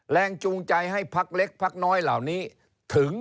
แรงจูงใจให้พักเล็กพักน้อยเหล่านี้ถึง